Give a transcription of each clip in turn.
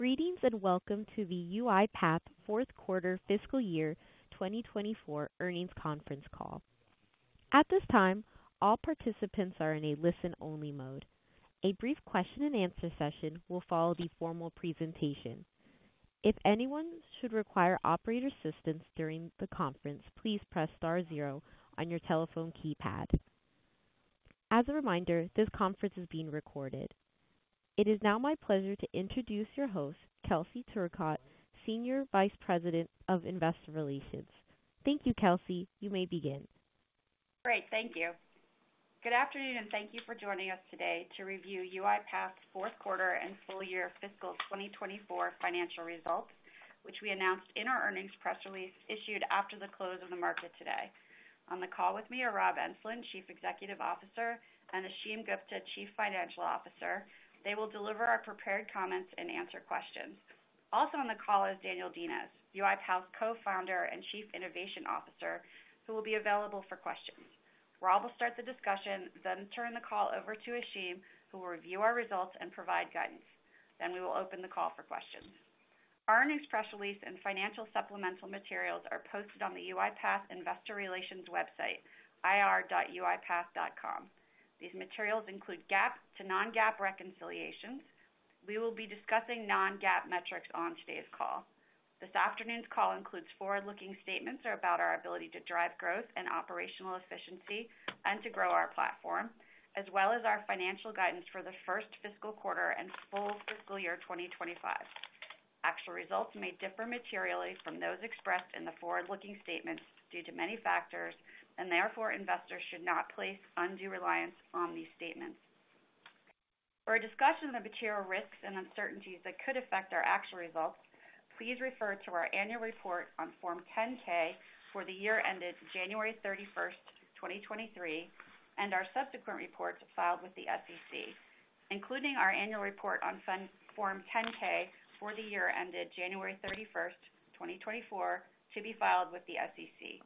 Greetings and welcome to the UiPath fourth quarter fiscal year 2024 earnings conference call. At this time, all participants are in a listen-only mode. A brief question-and-answer session will follow the formal presentation. If anyone should require operator assistance during the conference, please press star zero on your telephone keypad. As a reminder, this conference is being recorded. It is now my pleasure to introduce your host, Kelsey Turcotte, Senior Vice President of Investor Relations. Thank you, Kelsey. You may begin. Great, thank you. Good afternoon and thank you for joining us today to review UiPath's fourth quarter and full-year fiscal 2024 financial results, which we announced in our earnings press release issued after the close of the market today. On the call with me are Rob Enslin, Chief Executive Officer, and Ashim Gupta, Chief Financial Officer. They will deliver our prepared comments and answer questions. Also on the call is Daniel Dines, UiPath's co-founder and Chief Innovation Officer, who will be available for questions. Rob will start the discussion, then turn the call over to Ashim, who will review our results and provide guidance. Then we will open the call for questions. Our earnings press release and financial supplemental materials are posted on the UiPath Investor Relations website, ir.uipath.com. These materials include GAAP to non-GAAP reconciliations. We will be discussing non-GAAP metrics on today's call. This afternoon's call includes forward-looking statements about our ability to drive growth and operational efficiency and to grow our platform, as well as our financial guidance for the first fiscal quarter and full fiscal year 2025. Actual results may differ materially from those expressed in the forward-looking statements due to many factors, and therefore investors should not place undue reliance on these statements. For a discussion of the material risks and uncertainties that could affect our actual results, please refer to our annual report on Form 10-K for the year ended 31 January 2023, and our subsequent reports filed with the SEC, including our annual report on Form 10-K for the year ended 31 January 2024, to be filed with the SEC.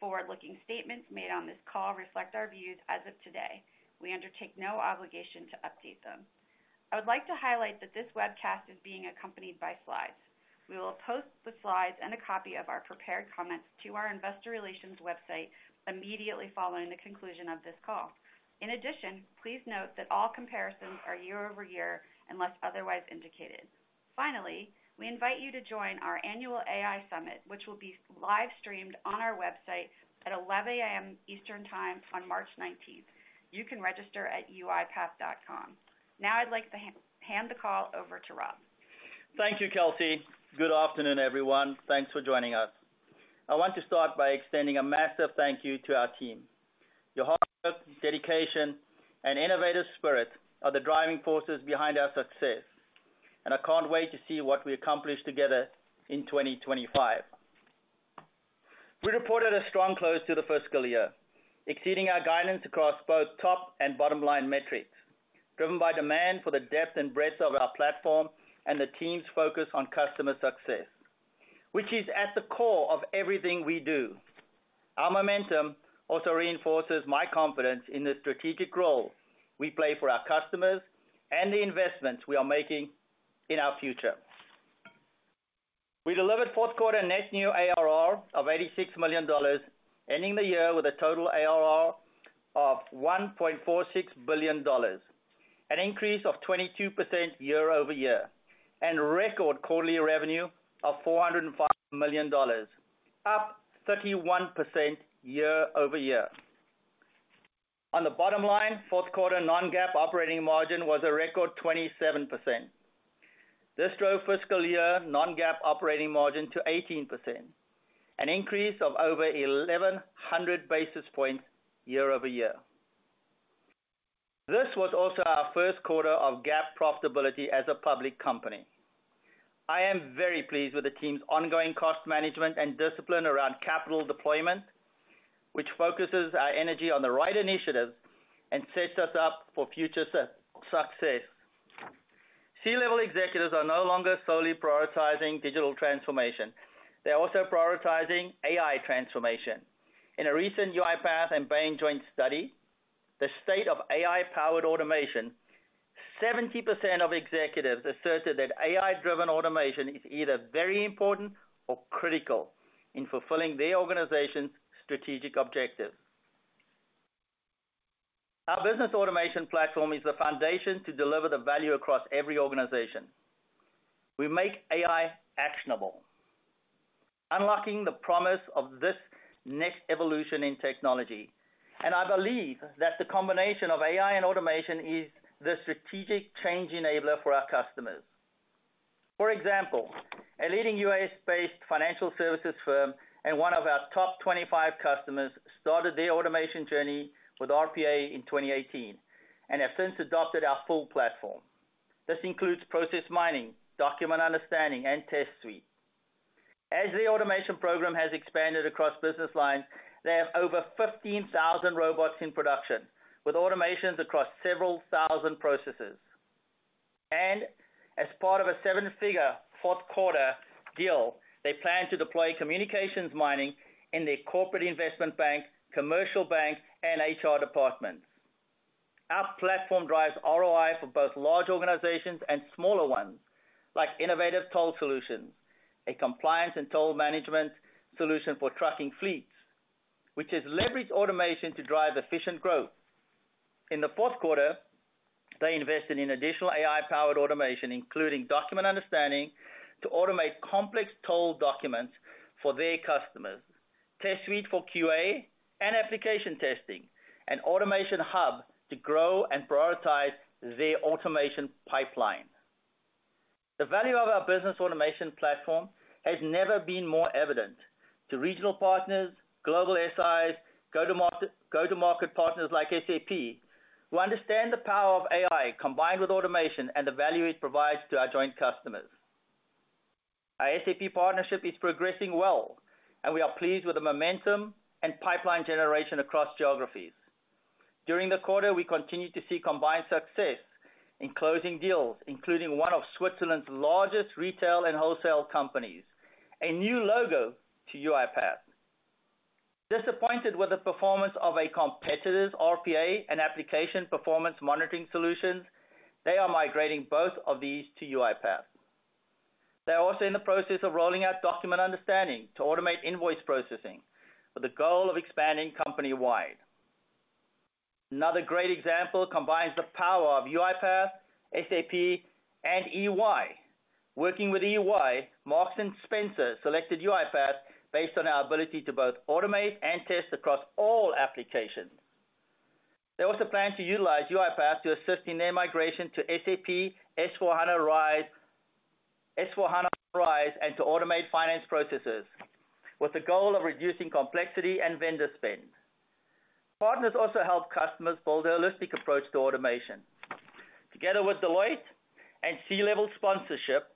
Forward-looking statements made on this call reflect our views as of today. We undertake no obligation to update them. I would like to highlight that this webcast is being accompanied by slides. We will post the slides and a copy of our prepared comments to our investor relations website immediately following the conclusion of this call. In addition, please note that all comparisons are year-over-year unless otherwise indicated. Finally, we invite you to join our annual AI Summit, which will be live streamed on our website at 11:00AM Eastern Time on 19 March 2023. You can register at uipath.com. Now I'd like to hand the call over to Rob. Thank you, Kelsey. Good afternoon, everyone. Thanks for joining us. I want to start by extending a massive thank you to our team. Your hard work, dedication, and innovative spirit are the driving forces behind our success, and I can't wait to see what we accomplish together in 2025. We reported a strong close to the fiscal year, exceeding our guidance across both top and bottom-line metrics, driven by demand for the depth and breadth of our platform and the team's focus on customer success, which is at the core of everything we do. Our momentum also reinforces my confidence in the strategic role we play for our customers and the investments we are making in our future. We delivered fourth quarter net new ARR of $86 million, ending the year with a total ARR of $1.46 billion, an increase of 22% year-over-year, and record quarterly revenue of $405 million, up 31% year-over-year. On the bottom line, fourth quarter non-GAAP operating margin was a record 27%. This drove fiscal year non-GAAP operating margin to 18%, an increase of over 1,100 basis points year-over-year. This was also our first quarter of GAAP profitability as a public company. I am very pleased with the team's ongoing cost management and discipline around capital deployment, which focuses our energy on the right initiatives and sets us up for future success. C-level executives are no longer solely prioritizing digital transformation. They're also prioritizing AI transformation. In a recent UiPath and Bain joint study, the state of AI-powered automation, 70% of executives asserted that AI-driven automation is either very important or critical in fulfilling their organization's strategic objectives. Our business automation platform is the foundation to deliver the value across every organization. We make AI actionable, unlocking the promise of this next evolution in technology. I believe that the combination of AI and automation is the strategic change enabler for our customers. For example, a leading US-based financial services firm and one of our top 25 customers started their automation journey with RPA in 2018 and have since adopted our full platform. This includes process mining, Document Understanding, and test suites. As the automation program has expanded across business lines, they have over 15,000 robots in production with automations across several thousand processes. As part of a seven-figure fourth quarter deal, they plan to deploy Communications Mining in their corporate investment bank, commercial bank, and HR departments. Our platform drives ROI for both large organizations and smaller ones, like Innovative Toll Solutions, a compliance and toll management solution for trucking fleets, which has leveraged automation to drive efficient growth. In the fourth quarter, they invested in additional AI-powered automation, including Document Understanding to automate complex toll documents for their customers, Test Suites for QA and application testing, and an Automation Hub to grow and prioritize their automation pipeline. The value of our business automation platform has never been more evident to regional partners, global SIs, go-to-market partners like SAP, who understand the power of AI combined with automation and the value it provides to our joint customers. Our SAP partnership is progressing well, and we are pleased with the momentum and pipeline generation across geographies. During the quarter, we continue to see combined success in closing deals, including one of Switzerland's largest retail and wholesale companies, a new logo to UiPath. Disappointed with the performance of a competitor's RPA and application performance monitoring solutions, they are migrating both of these to UiPath. They are also in the process of rolling out Document Understanding to automate invoice processing with the goal of expanding company-wide. Another great example combines the power of UiPath, SAP, and EY. Working with EY, Marks & Spencer selected UiPath based on our ability to both automate and test across all applications. They also plan to utilize UiPath to assist in their migration to SAP S/4HANA RISE and to automate finance processes with the goal of reducing complexity and vendor spend. Partners also help customers build a holistic approach to automation. Together with Deloitte and C-level sponsorship,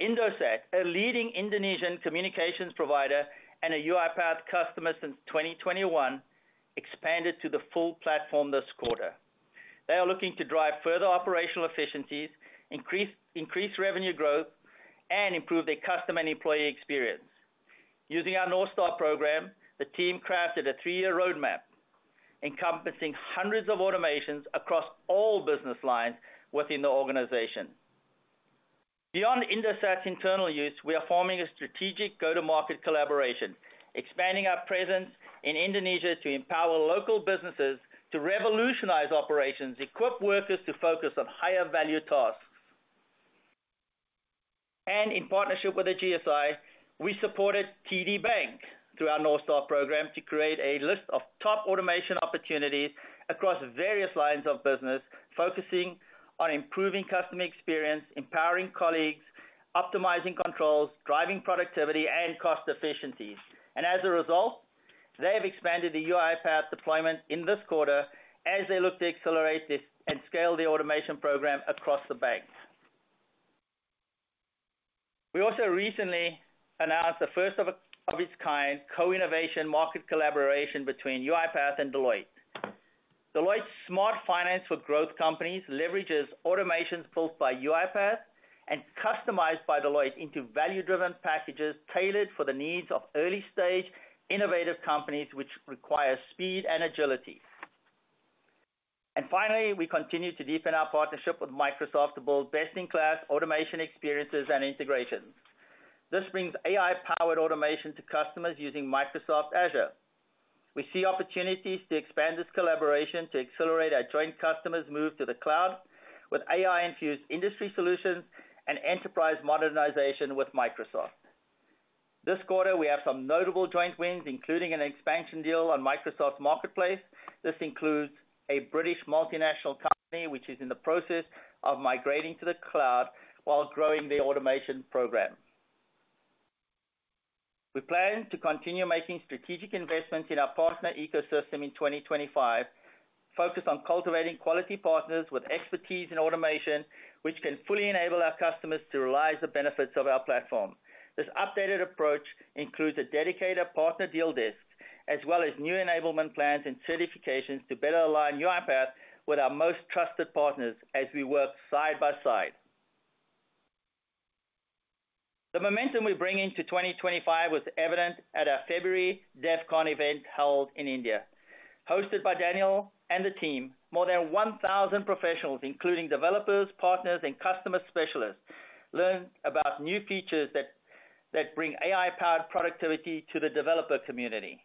Indosat, a leading Indonesian communications provider and a UiPath customer since 2021, expanded to the full platform this quarter. They are looking to drive further operational efficiencies, increase revenue growth, and improve their customer and employee experience. Using our North Star program, the team crafted a three-year roadmap encompassing hundreds of automations across all business lines within the organization. Beyond Indosat's internal use, we are forming a strategic go-to-market collaboration, expanding our presence in Indonesia to empower local businesses to revolutionize operations, equip workers to focus on higher-value tasks. In partnership with the GSI, we supported TD Bank through our North Star program to create a list of top automation opportunities across various lines of business, focusing on improving customer experience, empowering colleagues, optimizing controls, driving productivity, and cost efficiencies. As a result, they have expanded the UiPath deployment in this quarter as they look to accelerate this and scale the automation program across the banks. We also recently announced the first of its kind co-innovation market collaboration between UiPath and Deloitte. Deloitte's Smart Finance for growth companies leverages automations built by UiPath and customized by Deloitte into value-driven packages tailored for the needs of early-stage innovative companies which require speed and agility. Finally, we continue to deepen our partnership with Microsoft to build best-in-class automation experiences and integrations. This brings AI-powered automation to customers using Microsoft Azure. We see opportunities to expand this collaboration to accelerate our joint customer's move to the cloud with AI-infused industry solutions and enterprise modernization with Microsoft. This quarter, we have some notable joint wins, including an expansion deal on Microsoft's marketplace. This includes a British multinational company which is in the process of migrating to the cloud while growing their automation program. We plan to continue making strategic investments in our partner ecosystem in 2025, focused on cultivating quality partners with expertise in automation which can fully enable our customers to realize the benefits of our platform. This updated approach includes a dedicated partner deal desk, as well as new enablement plans and certifications to better align UiPath with our most trusted partners as we work side by side. The momentum we bring into 2025 was evident at our February DevCon event held in India. Hosted by Daniel and the team, more than 1,000 professionals, including developers, partners, and customer specialists, learned about new features that bring AI-powered productivity to the developer community.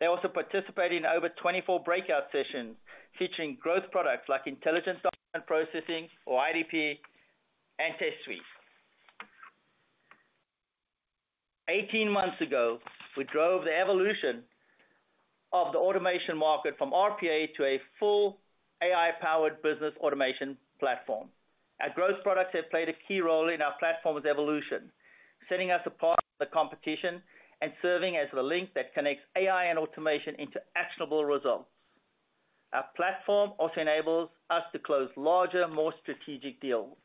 They also participated in over 24 breakout sessions featuring growth products like Intelligent Document Processing or IDP and Test Suites. 18 months ago, we drove the evolution of the automation market from RPA to a full AI-powered business automation platform. Our growth products have played a key role in our platform's evolution, setting us apart from the competition and serving as the link that connects AI and automation into actionable results. Our platform also enables us to close larger, more strategic deals.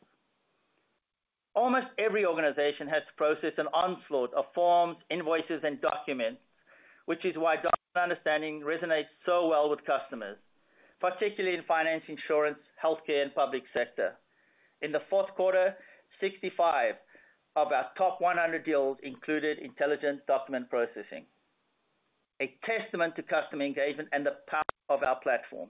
Almost every organization has to process an onslaught of forms, invoices, and documents, which is why Document Understanding resonates so well with customers, particularly in finance, insurance, healthcare, and public sector. In the fourth quarter, 65 of our top 100 deals included Intelligent Document Processing, a testament to customer engagement and the power of our platform.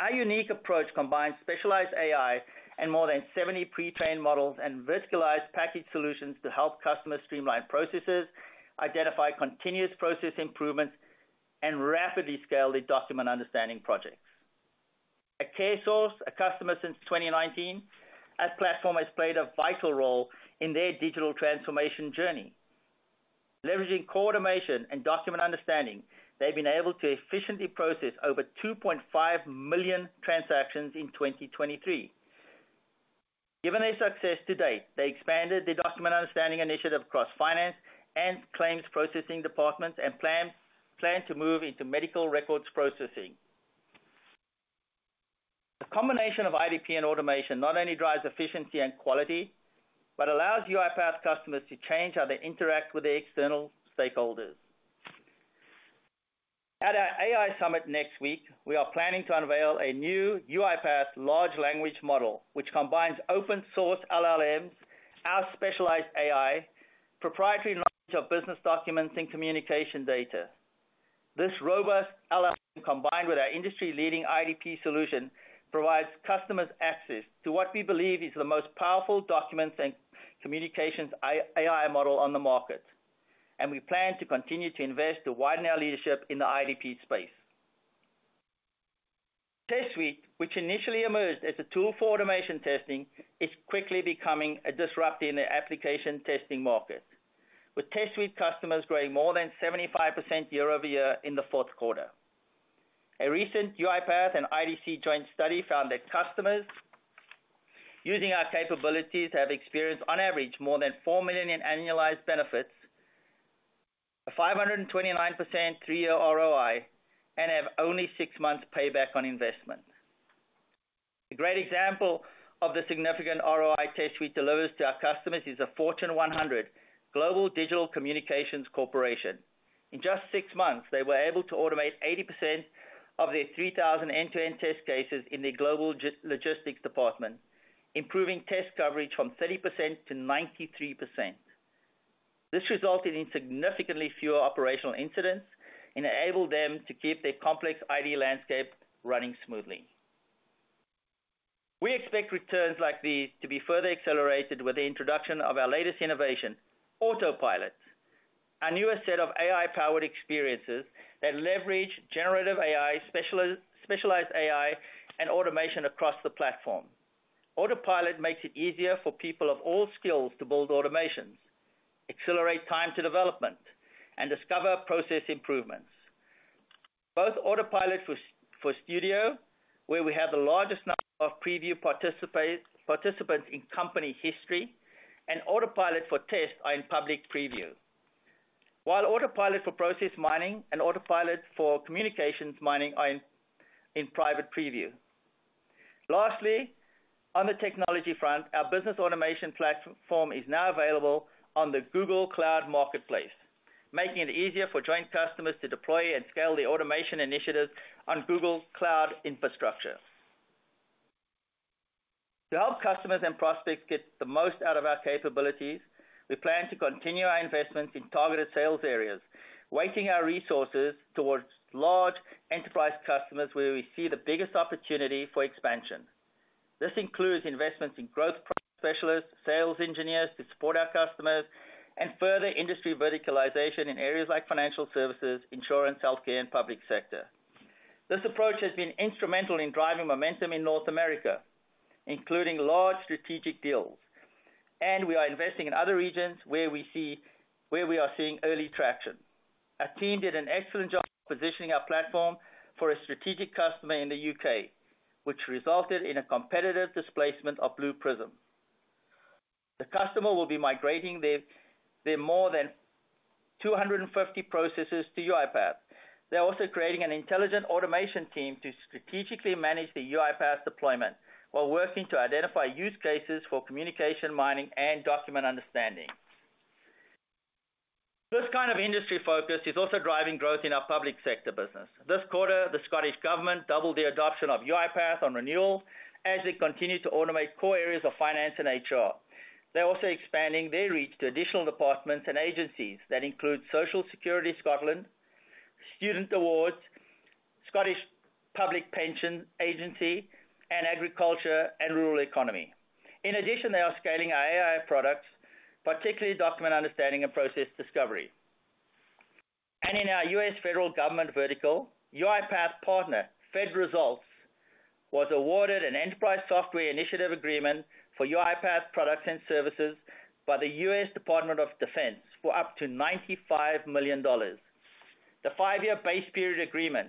Our unique approach combines specialized AI and more than 70 pre-trained models and verticalized package solutions to help customers streamline processes, identify continuous process improvements, and rapidly scale their Document Understanding projects. CareSource, a customer since 2019, our platform has played a vital role in their digital transformation journey. Leveraging co-automation and Document Understanding, they've been able to efficiently process over 2.5 million transactions in 2023. Given their success to date, they expanded their Document Understanding initiative across finance and claims processing departments and plan to move into medical records processing. The combination of IDP and automation not only drives efficiency and quality, but allows UiPath customers to change how they interact with their external stakeholders. At our AI Summit next week, we are planning to unveil a new UiPath large language model which combines open-source LLMs, our specialized AI, proprietary knowledge of business documents, and communication data. This robust LLM, combined with our industry-leading IDP solution, provides customers access to what we believe is the most powerful documents and communications AI model on the market. We plan to continue to invest to widen our leadership in the IDP space. Test Suite, which initially emerged as a tool for automation testing, is quickly becoming a disruptor in the application testing market, with Test Suite customers growing more than 75% year-over-year in the fourth quarter. A recent UiPath and IDC joint study found that customers using our capabilities have experienced, on average, more than 4 million annualized benefits, a 529% three-year ROI, and have only six months payback on investment. A great example of the significant ROI Test Suite delivers to our customers is the Fortune 100 Global Digital Communications Corporation. In just six months, they were able to automate 80% of their 3,000 end-to-end test cases in their global logistics department, improving test coverage from 30% to 93%. This resulted in significantly fewer operational incidents and enabled them to keep their complex IT landscape running smoothly. We expect returns like these to be further accelerated with the introduction of our latest innovation, Autopilot, a newer set of AI-powered experiences that leverage generative AI, specialized AI, and automation across the platform. Autopilot makes it easier for people of all skills to build automations, accelerate time to development, and discover process improvements. Both Autopilot for Studio, where we have the largest number of preview participants in company history, and Autopilot for Test are in public preview, while Autopilot for Process Mining and Autopilot for Communications Mining are in private preview. Lastly, on the technology front, our business automation platform is now available on the Google Cloud Marketplace, making it easier for joint customers to deploy and scale their automation initiatives on Google Cloud infrastructure. To help customers and prospects get the most out of our capabilities, we plan to continue our investments in targeted sales areas, weighting our resources towards large enterprise customers where we see the biggest opportunity for expansion. This includes investments in growth specialists, sales engineers to support our customers, and further industry verticalization in areas like financial services, insurance, healthcare, and public sector. This approach has been instrumental in driving momentum in North America, including large strategic deals. We are investing in other regions where we are seeing early traction. Our team did an excellent job positioning our platform for a strategic customer in the UK, which resulted in a competitive displacement of Blue Prism. The customer will be migrating their more than 250 processes to UiPath. They're also creating an intelligent automation team to strategically manage the UiPath deployment while working to identify use cases for Communications Mining and Document Understanding. This kind of industry focus is also driving growth in our public sector business. This quarter, the Scottish Government doubled the adoption of UiPath on renewal as they continue to automate core areas of finance and HR. They're also expanding their reach to additional departments and agencies that include Social Security Scotland, Student Awards, Scottish Public Pension Agency, and Agriculture and Rural Economy. In addition, they are scaling our AI products, particularly Document Understanding and process discovery. In our US federal government vertical, UiPath partner, FedResults, was awarded an enterprise software initiative agreement for UiPath products and services by the US Department of Defense for up to $95 million. The five-year base period agreement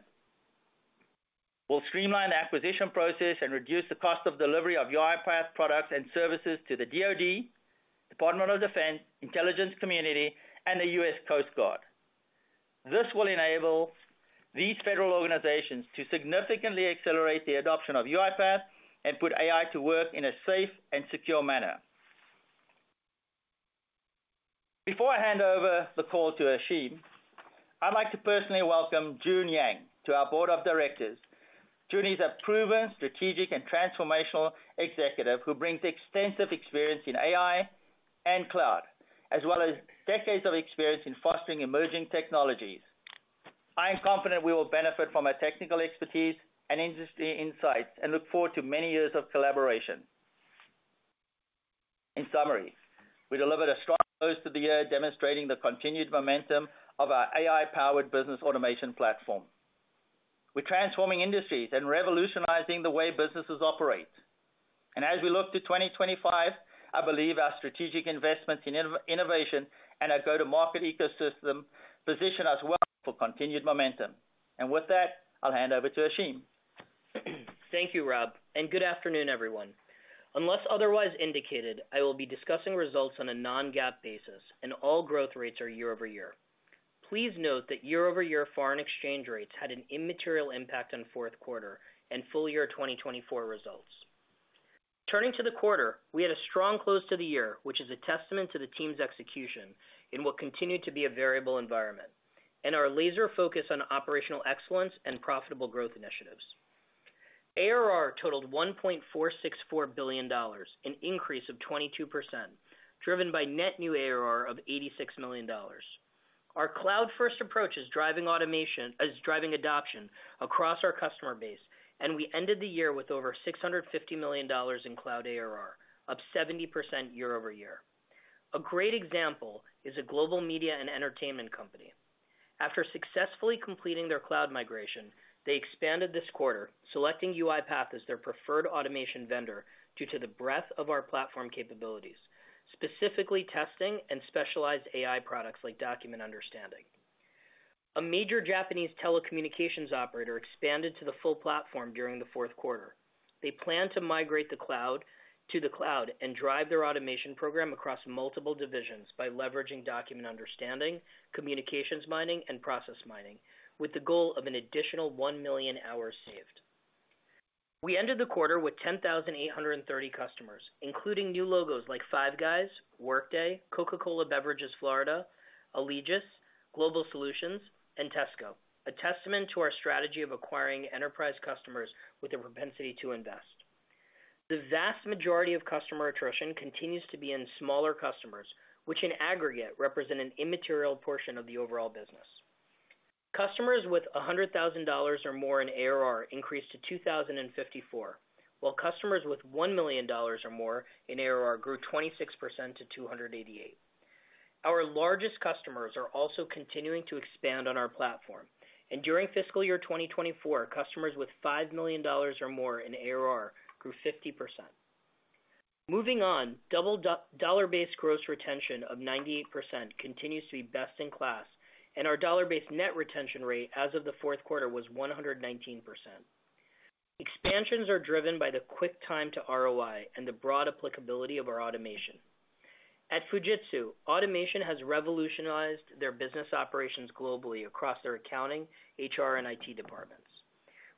will streamline the acquisition process and reduce the cost of delivery of UiPath products and services to the DoD, Department of Defense, Intelligence Community, and the US Coast Guard. This will enable these federal organizations to significantly accelerate the adoption of UiPath and put AI to work in a safe and secure manner. Before I hand over the call to Ashim, I'd like to personally welcome June Yang to our board of directors. June is a proven strategic and transformational executive who brings extensive experience in AI and cloud, as well as decades of experience in fostering emerging technologies. I am confident we will benefit from her technical expertise and industry insights and look forward to many years of collaboration. In summary, we delivered a strong close to the year demonstrating the continued momentum of our AI-powered business automation platform. We're transforming industries and revolutionizing the way businesses operate. As we look to 2025, I believe our strategic investments in innovation and our go-to-market ecosystem position us well for continued momentum. With that, I'll hand over to Ashim. Thank you, Rob, and good afternoon, everyone. Unless otherwise indicated, I will be discussing results on a non-GAAP basis, and all growth rates are year-over-year. Please note that year-over-year, foreign exchange rates had an immaterial impact on fourth quarter and full year 2024 results. Turning to the quarter, we had a strong close to the year, which is a testament to the team's execution in what continued to be a variable environment and our laser focus on operational excellence and profitable growth initiatives. ARR totaled $1.464 billion, an increase of 22%, driven by net new ARR of $86 million. Our cloud-first approach is driving adoption across our customer base, and we ended the year with over $650 million in cloud ARR, up 70% year-over-year. A great example is a global media and entertainment company. After successfully completing their cloud migration, they expanded this quarter, selecting UiPath as their preferred automation vendor due to the breadth of our platform capabilities, specifically testing and Specialized AI products like Document Understanding. A major Japanese telecommunications operator expanded to the full platform during the fourth quarter. They plan to migrate to cloud to the cloud and drive their automation program across multiple divisions by leveraging Document Understanding, Communications Mining, and Process Mining, with the goal of an additional 1 million hours saved. We ended the quarter with 10,830 customers, including new logos like Five Guys, Workday, Coca-Cola Beverages Florida, Allegis Global Solutions, and Tesco, a testament to our strategy of acquiring enterprise customers with a propensity to invest. The vast majority of customer attrition continues to be in smaller customers, which in aggregate represent an immaterial portion of the overall business. Customers with $100,000 or more in ARR increased to 2,054, while customers with $1 million or more in ARR grew 26% to 288. Our largest customers are also continuing to expand on our platform, and during fiscal year 2024, customers with $5 million or more in ARR grew 50%. Moving on, dollar-based gross retention of 98% continues to be best in class, and our dollar-based net retention rate as of the fourth quarter was 119%. Expansions are driven by the quick time to ROI and the broad applicability of our automation. At Fujitsu, automation has revolutionized their business operations globally across their accounting, HR, and IT departments.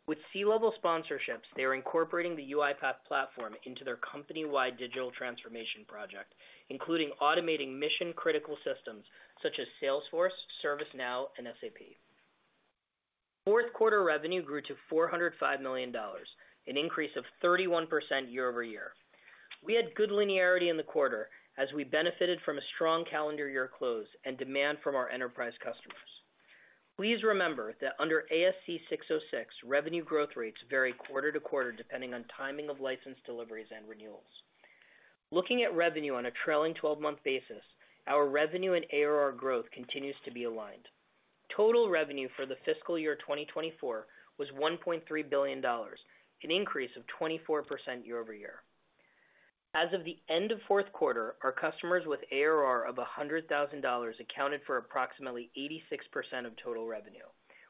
With C-level sponsorships, they are incorporating the UiPath platform into their company-wide digital transformation project, including automating mission-critical systems such as Salesforce, ServiceNow, and SAP. Fourth quarter revenue grew to $405 million, an increase of 31% year-over-year. We had good linearity in the quarter as we benefited from a strong calendar year close and demand from our enterprise customers. Please remember that under ASC 606, revenue growth rates vary quarter-to-quarter depending on timing of license deliveries and renewals. Looking at revenue on a trailing 12-month basis, our revenue and ARR growth continues to be aligned. Total revenue for the fiscal year 2024 was $1.3 billion, an increase of 24% year-over-year. As of the end of fourth quarter, our customers with ARR of $100,000 accounted for approximately 86% of total revenue,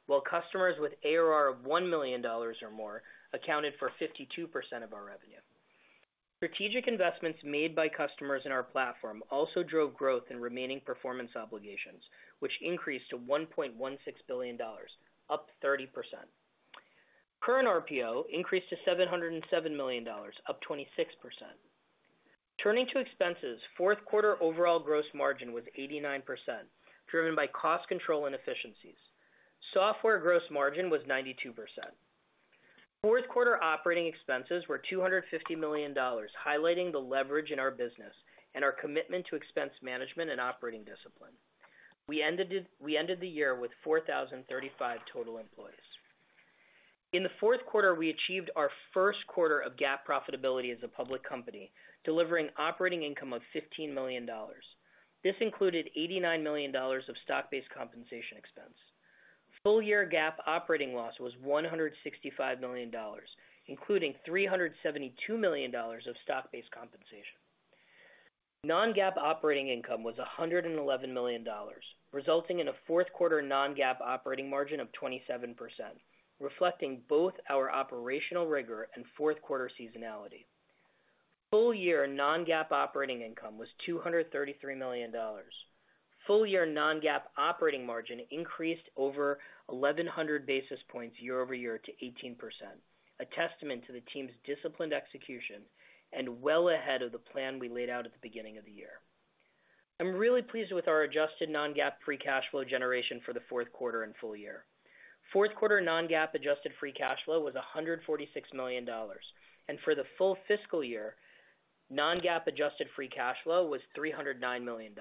while customers with ARR of $1 million or more accounted for 52% of our revenue. Strategic investments made by customers in our platform also drove growth in remaining performance obligations, which increased to $1.16 billion, up 30%. Current RPO increased to $707 million, up 26%. Turning to expenses, fourth quarter overall gross margin was 89%, driven by cost control and efficiencies. Software gross margin was 92%. Fourth quarter operating expenses were $250 million, highlighting the leverage in our business and our commitment to expense management and operating discipline. We ended the year with 4,035 total employees. In the fourth quarter, we achieved our first quarter of GAAP profitability as a public company, delivering operating income of $15 million. This included $89 million of stock-based compensation expense. Full-year GAAP operating loss was $165 million, including $372 million of stock-based compensation. Non-GAAP operating income was $111 million, resulting in a fourth quarter non-GAAP operating margin of 27%, reflecting both our operational rigor and fourth quarter seasonality. Full-year non-GAAP operating income was $233 million. Full-year non-GAAP operating margin increased over 1,100 basis points year-over-year to 18%, a testament to the team's disciplined execution and well ahead of the plan we laid out at the beginning of the year. I'm really pleased with our adjusted non-GAAP free cash flow generation for the fourth quarter and full year. Fourth quarter non-GAAP adjusted free cash flow was $146 million, and for the full fiscal year, non-GAAP adjusted free cash flow was $309 million.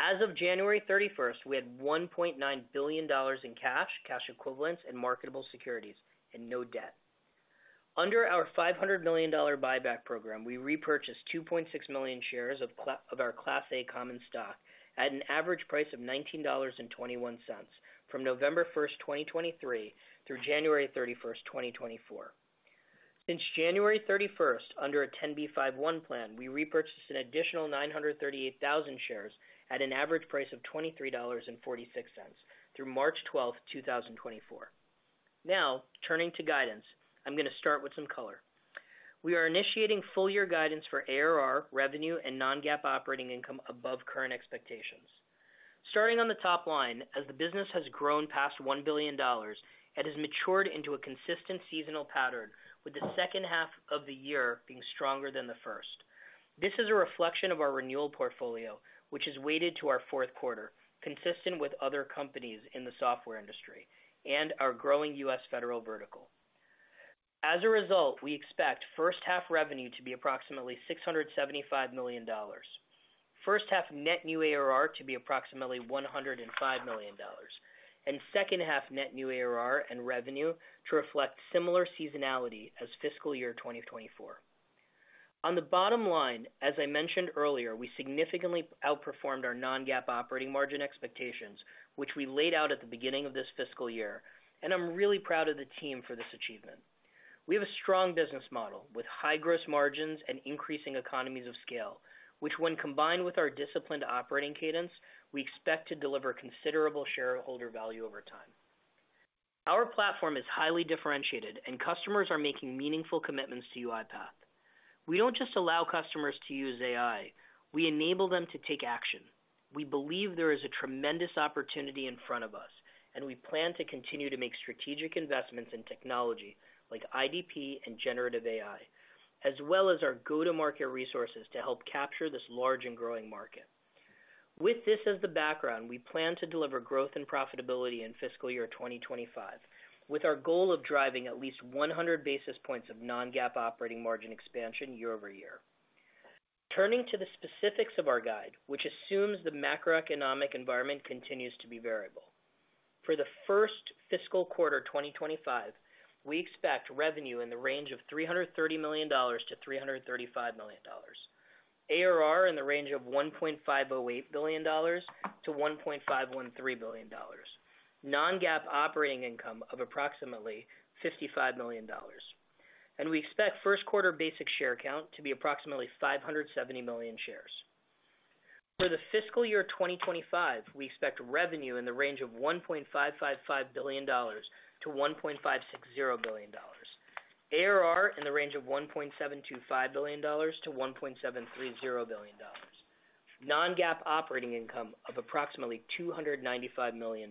As of 31 January 2023, we had $1.9 billion in cash, cash equivalents, and marketable securities, and no debt. Under our $500 million buyback program, we repurchased 2.6 million shares of our Class A common stock at an average price of $19.21 from 1 November 2023, through 31 January 2024. Since 31 January 2023, under a 10b5-1 plan, we repurchased an additional 938,000 shares at an average price of $23.46 through 12 March 2024. Now, turning to guidance, I'm going to start with some color. We are initiating full-year guidance for ARR, revenue, and non-GAAP operating income above current expectations. Starting on the top line, as the business has grown past $1 billion, it has matured into a consistent seasonal pattern, with the second half of the year being stronger than the first. This is a reflection of our renewal portfolio, which is weighted to our fourth quarter, consistent with other companies in the software industry, and our growing US federal vertical. As a result, we expect first half revenue to be approximately $675 million, first half net new ARR to be approximately $105 million, and second half net new ARR and revenue to reflect similar seasonality as fiscal year 2024. On the bottom line, as I mentioned earlier, we significantly outperformed our non-GAAP operating margin expectations, which we laid out at the beginning of this fiscal year, and I'm really proud of the team for this achievement. We have a strong business model with high gross margins and increasing economies of scale, which, when combined with our disciplined operating cadence, we expect to deliver considerable shareholder value over time. Our platform is highly differentiated, and customers are making meaningful commitments to UiPath. We don't just allow customers to use AI. We enable them to take action. We believe there is a tremendous opportunity in front of us, and we plan to continue to make strategic investments in technology like IDP and generative AI, as well as our go-to-market resources to help capture this large and growing market. With this as the background, we plan to deliver growth and profitability in fiscal year 2025, with our goal of driving at least 100 basis points of non-GAAP operating margin expansion year-over-year. Turning to the specifics of our guide, which assumes the macroeconomic environment continues to be variable. For the first fiscal quarter 2025, we expect revenue in the range of $330 to 335 million, ARR in the range of $1.508 to 1.513 billion, non-GAAP operating income of approximately $55 million, and we expect first quarter basic share count to be approximately 570 million shares. For the fiscal year 2025, we expect revenue in the range of $1.555 to 1.560 billion, ARR in the range of $1.725 to 1.730 billion, non-GAAP operating income of approximately $295 million.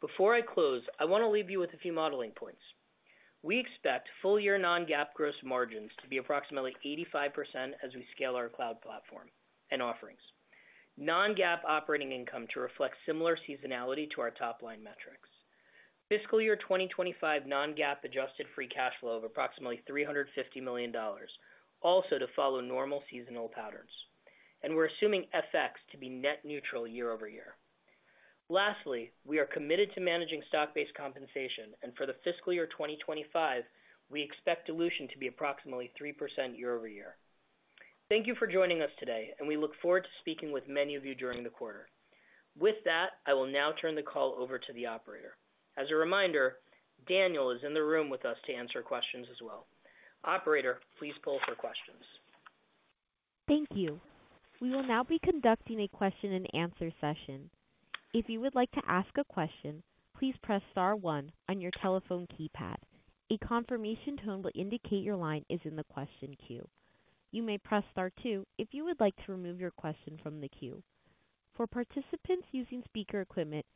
Before I close, I want to leave you with a few modeling points. We expect full-year non-GAAP gross margins to be approximately 85% as we scale our cloud platform and offerings. Non-GAAP operating income to reflect similar seasonality to our top-line metrics. Fiscal year 2025 non-GAAP adjusted free cash flow of approximately $350 million, also to follow normal seasonal patterns. We're assuming FX to be net neutral year-over-year. Lastly, we are committed to managing stock-based compensation, and for the fiscal year 2025, we expect dilution to be approximately 3% year-over-year. Thank you for joining us today, and we look forward to speaking with many of you during the quarter. With that, I will now turn the call over to the operator. As a reminder, Daniel is in the room with us to answer questions as well. Operator, please pull for questions. Thank you. We will now be conducting a question-and-answer session. If you would like to ask a question, please press star one on your telephone keypad. A confirmation tone will indicate your line is in the question queue. You may press star two if you would like to remove your question from the queue. For participants using speaker equipment,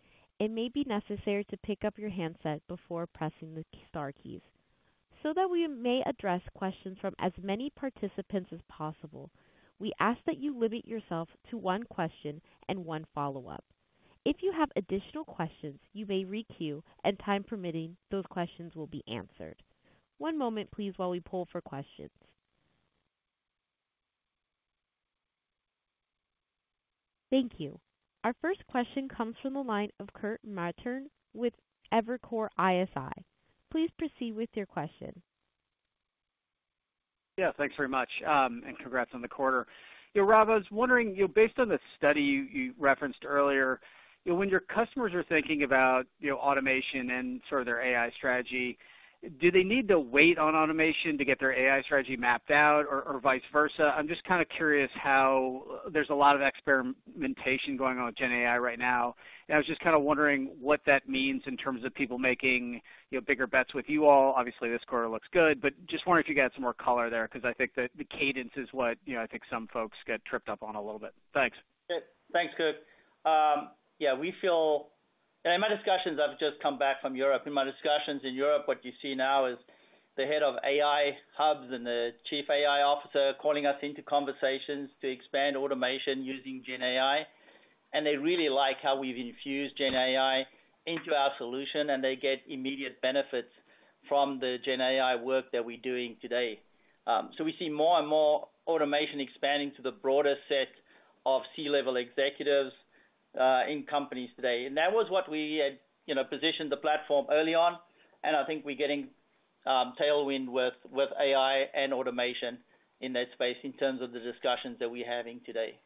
it may be necessary to pick up your handset before pressing the star keys. So that we may address questions from as many participants as possible, we ask that you limit yourself to one question and one follow-up. If you have additional questions, you may re-queue, and time permitting, those questions will be answered. One moment, please, while we pull for questions. Thank you. Our first question comes from the line of Kirk Materne with Evercore ISI. Please proceed with your question. Yeah, thanks very much, and congrats on the quarter. Rob, I was wondering, based on the study you referenced earlier, when your customers are thinking about automation and sort of their AI strategy, do they need to wait on automation to get their AI strategy mapped out, or vice versa? I'm just kind of curious how there's a lot of experimentation going on with GenAI right now, and I was just kind of wondering what that means in terms of people making bigger bets with you all. Obviously, this quarter looks good but just wondering if you got some more color there because I think that the cadence is what I think some folks get tripped up on a little bit. Thanks. Good. Thanks, Kirk. Yeah, we feel and, in my discussions, I've just come back from Europe. In my discussions in Europe, what you see now is the head of AI hubs and the chief AI officer calling us into conversations to expand automation using GenAI, and they really like how we've infused GenAI into our solution, and they get immediate benefits from the GenAI work that we're doing today. We see more and more automation expanding to the broader set of C-level executives in companies today. That was what we had positioned the platform early on, and I think we're getting tailwind with AI and automation in that space in terms of the discussions that we're having today.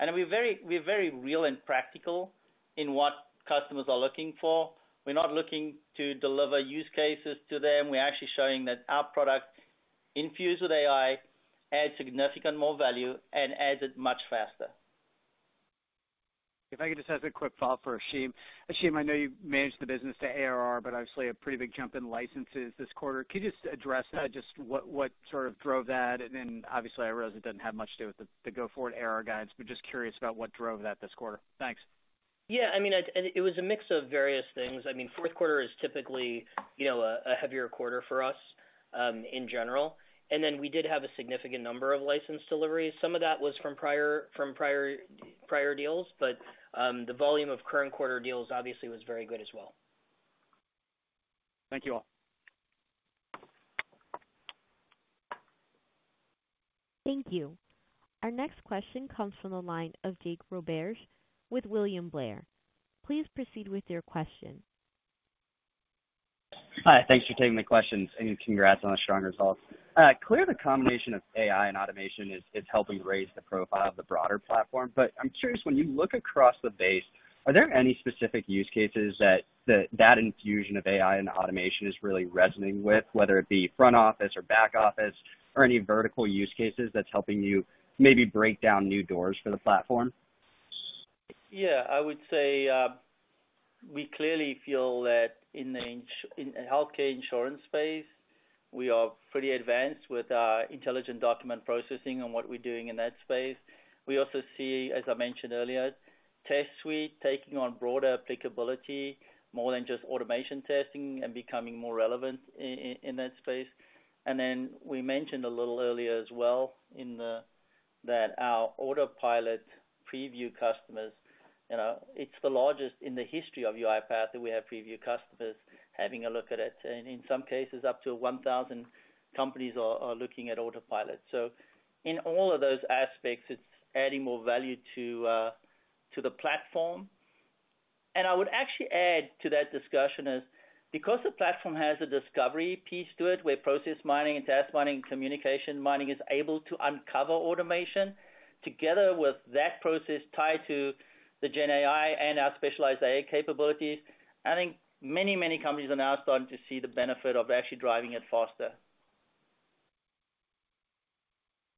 We're very real and practical in what customers are looking for. We're not looking to deliver use cases to them. We're actually showing that our product, infused with AI, adds significant more value and adds it much faster. If I could just ask a quick follow-up for Ashim. Ashim, I know you manage the business to ARR, but obviously, a pretty big jump in licenses this quarter. Could you just address that, just what sort of drove that? And then, obviously, I realize it doesn't have much to do with the go-forward ARR guidance, but just curious about what drove that this quarter. Thanks. Yeah, I mean, it was a mix of various things. I mean, fourth quarter is typically a heavier quarter for us in general. And then we did have a significant number of license deliveries. Some of that was from prior deals, but the volume of current quarter deals, obviously, was very good as well. Thank you all. Thank you. Our next question comes from the line of Jake Roberge with William Blair. Please proceed with your question. Hi, thanks for taking my questions, and congrats on the strong results. Clearly, the combination of AI and automation is helping raise the profile of the broader platform, but I'm curious, when you look across the base, are there any specific use cases that that infusion of AI and automation is really resonating with, whether it be front office or back office, or any vertical use cases that's helping you maybe break down new doors for the platform? Yeah, I would say we clearly feel that in the healthcare insurance space, we are pretty advanced with our intelligent document processing and what we're doing in that space. We also see, as I mentioned earlier, Test Suite taking on broader applicability more than just automation testing and becoming more relevant in that space. And then we mentioned a little earlier as well that our Autopilot preview customers. It's the largest in the history of UiPath that we have preview customers having a look at it. And in some cases, up to 1,000 companies are looking at Autopilot. So, in all of those aspects, it's adding more value to the platform. And I would actually add to that discussion is because the platform has a discovery piece to it where Process Mining and Task Mining and Communications Mining is able to uncover automation, together with that process tied to the GenAI and our Specialized AI capabilities. I think many, many companies are now starting to see the benefit of actually driving it faster.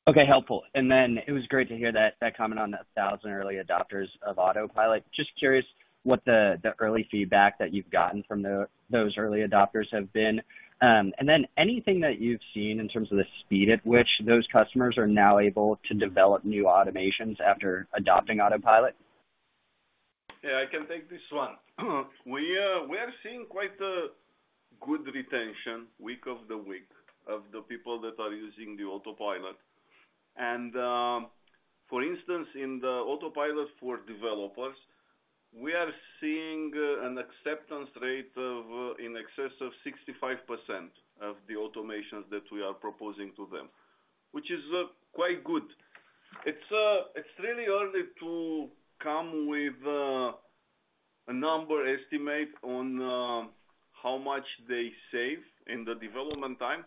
Okay, helpful. And then it was great to hear that comment on the 1,000 early adopters of Autopilot. Just curious what the early feedback that you've gotten from those early adopters have been? And then anything that you've seen in terms of the speed at which those customers are now able to develop new automations after adopting Autopilot? Yeah, I can take this one. We are seeing quite good week-over-week retention of the people that are using the Autopilot. And for instance, in the Autopilot for developers, we are seeing an acceptance rate in excess of 65% of the automations that we are proposing to them, which is quite good. It's really early to come with a number estimate on how much they save in the development time,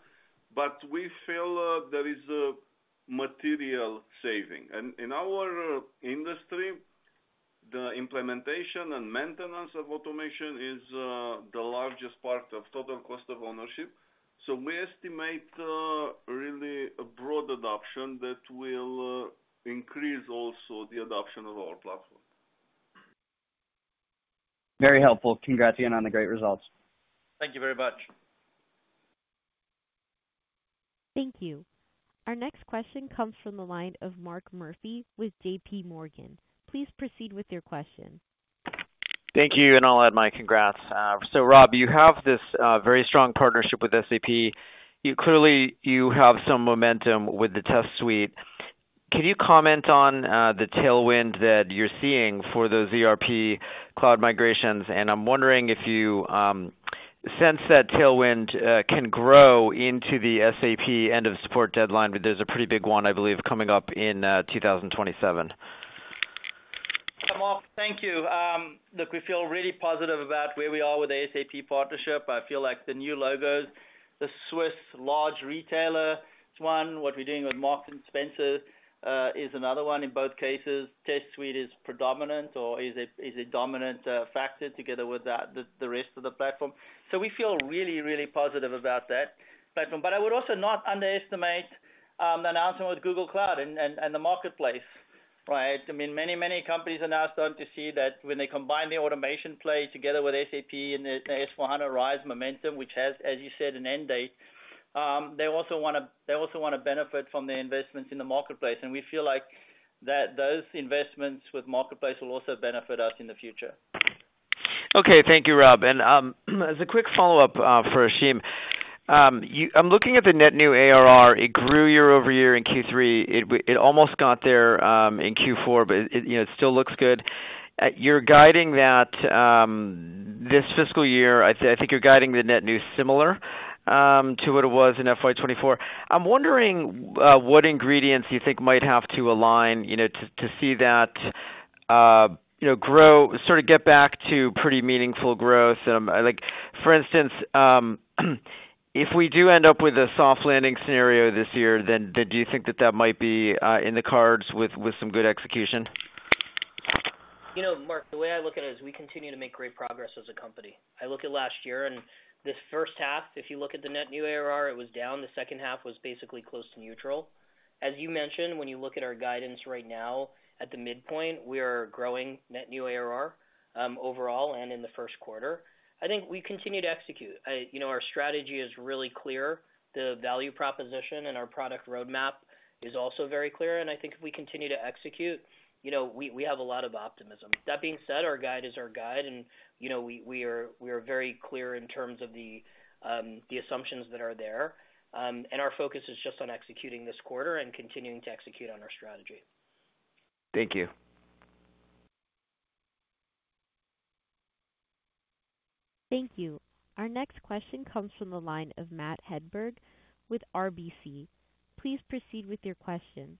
but we feel there is material saving. And in our industry, the implementation and maintenance of automation is the largest part of total cost of ownership. So, we estimate really a broad adoption that will increase also the adoption of our platform. Very helpful. Congrats, again, on the great results. Thank you very much. Thank you. Our next question comes from the line of Mark Murphy with JPMorgan. Please proceed with your question. Thank you, and I'll add my congrats. So, Rob, you have this very strong partnership with SAP. Clearly, you have some momentum with the Test Suite. Can you comment on the tailwind that you're seeing for those ERP cloud migrations? And I'm wondering if you sense that tailwind can grow into the SAP end-of-support deadline, but there's a pretty big one, I believe, coming up in 2027. Thank you. Look, we feel really positive about where we are with the SAP partnership. I feel like the new logos, the Swiss large retailer is one. What we're doing with Marks & Spencer is another one. In both cases, Test Suite is predominant or is a dominant factor together with the rest of the platform. So we feel really, really positive about that platform. But I would also not underestimate the announcement with Google Cloud and the marketplace, right? I mean, many, many companies are now starting to see that when they combine the automation play together with SAP and the S/4HANA RISE momentum, which has, as you said, an end date, they also want to benefit from the investments in the marketplace. And we feel like that those investments with marketplace will also benefit us in the future. Okay, thank you, Rob. And as a quick follow-up for Ashim, I'm looking at the Net New ARR. It grew year-over-year in third quarter. It almost got there in fourth quarter, but it still looks good. You're guiding that this fiscal year. I think you're guiding the net new, similar to what it was in FY24. I'm wondering what ingredients you think might have to align to see that grow, sort of get back to pretty meaningful growth. For instance, if we do end up with a soft landing scenario this year, then do you think that that might be in the cards with some good execution? Mark, the way I look at it is we continue to make great progress as a company. I look at last year, and this first half, if you look at the net new ARR, it was down. The second half was basically close to neutral. As you mentioned, when you look at our guidance right now at the midpoint, we are growing net new ARR overall and in the first quarter. I think we continue to execute. Our strategy is really clear. The value proposition and our product roadmap is also very clear. And I think if we continue to execute, we have a lot of optimism. That being said, our guide is our guide, and we are very clear in terms of the assumptions that are there. And our focus is just on executing this quarter and continuing to execute on our strategy. Thank you. Thank you. Our next question comes from the line of Matt Hedberg with RBC. Please proceed with your question.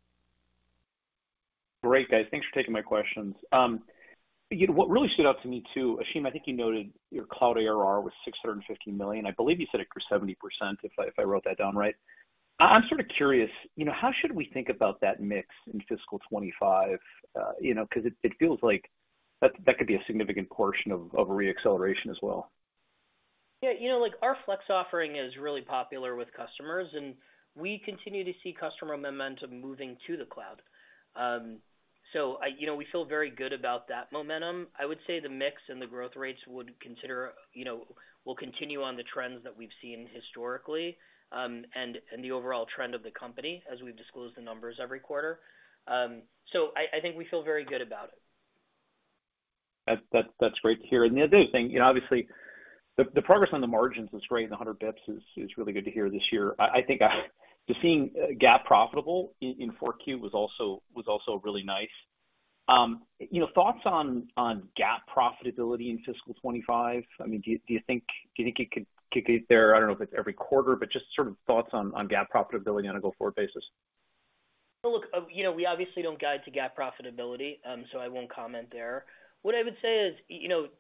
Great, guys. Thanks for taking my questions. What really stood out to me too, Ashim, I think you noted your cloud ARR was $650 million. I believe you said it grew 70% if I wrote that down right. I'm sort of curious, how should we think about that mix in fiscal 2025? Because it feels like that could be a significant portion of a reacceleration as well. Yeah, our flex offering is really popular with customers, and we continue to see customer momentum moving to the cloud. So, we feel very good about that momentum. I would say the mix and the growth rates will continue on the trends that we've seen historically and the overall trend of the company as we've disclosed the numbers every quarter. So, I think we feel very good about it. That's great to hear. And the other thing, obviously, the progress on the margins is great, and the 100 basis points is really good to hear this year. I think seeing GAAP profitable in fourth quarter was also really nice. Thoughts on GAAP profitability in fiscal 2025? I mean, do you think it could be there? I don't know if it's every quarter but just sort of thoughts on GAAP profitability on a go-forward basis. Look, we obviously don't guide to GAAP profitability, so I won't comment there. What I would say is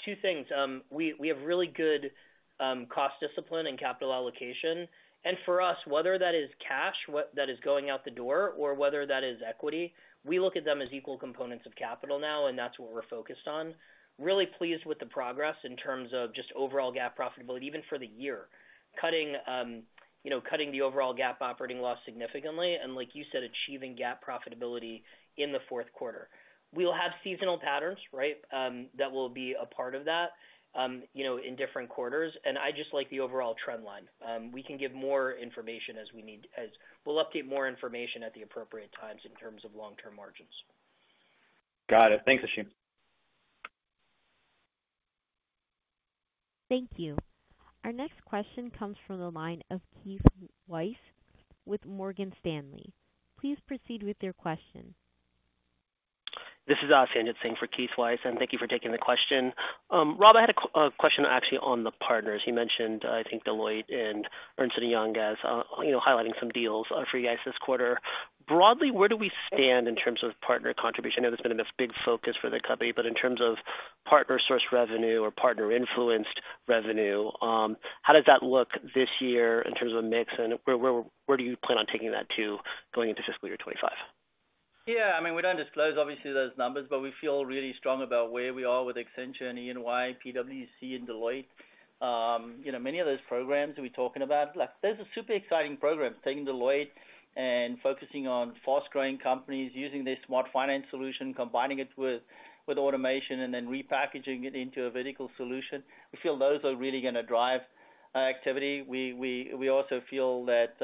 two things. We have really good cost discipline and capital allocation. And for us, whether that is cash that is going out the door or whether that is equity, we look at them as equal components of capital now, and that's what we're focused on. Really pleased with the progress in terms of just overall GAAP profitability, even for the year, cutting the overall GAAP operating loss significantly and, like you said, achieving GAAP profitability in the fourth quarter. We'll have seasonal patterns, right, that will be a part of that in different quarters. I just like the overall trendline. We can give more information as we need as we'll update more information at the appropriate times in terms of long-term margins. Got it. Thanks, Ashim. Thank you. Our next question comes from the line of Keith Weiss with Morgan Stanley. Please proceed with your question. This is Sanjit Singh for Keith Weiss and thank you for taking the question. Rob, I had a question, actually, on the partners. You mentioned, I think, Deloitte and Ernst & Young as highlighting some deals for you guys this quarter. Broadly, where do we stand in terms of partner contribution? I know it's been a big focus for the company, but in terms of partner-sourced revenue or partner-influenced revenue, how does that look this year in terms of a mix? And where do you plan on taking that to going into fiscal year 2025? Yeah, I mean, we don't disclose, obviously, those numbers, but we feel really strong about where we are with Accenture and EY, PwC, and Deloitte. Many of those programs that we're talking about, there's a super exciting program taking Deloitte and focusing on fast-growing companies, using their Smart Finance solution, combining it with automation, and then repackaging it into a vertical solution. We feel those are really going to drive activity. We also feel that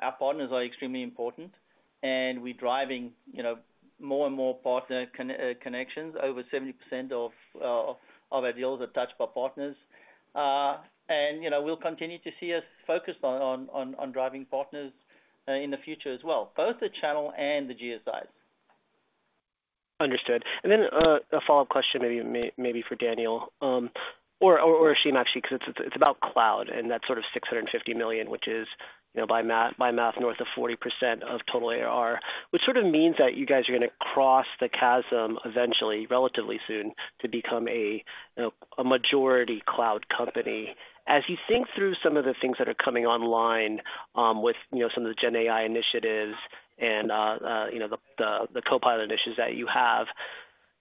our partners are extremely important, and we're driving more and more partner connections. Over 70% of our deals are touched by partners. And we'll continue to see us focused on driving partners in the future as well, both the channel and the GSIs. Understood. And then a follow-up question, maybe for Daniel or Ashim, actually, because it's about cloud, and that's sort of $650 million, which is, by math, north of 40% of total ARR, which sort of means that you guys are going to cross the chasm eventually, relatively soon, to become a majority cloud company. As you think through some of the things that are coming online with some of the GenAI initiatives and the Copilot initiatives that you have,